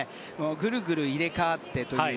ぐるぐる入れ替わってという。